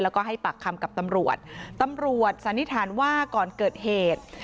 แล้วก็ให้ปากคำกับตำรวจตำรวจสันนิษฐานว่าก่อนเกิดเหตุ